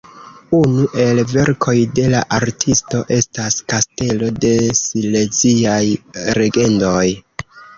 Unu el verkoj de la artisto estas Kastelo de Sileziaj Legendoj.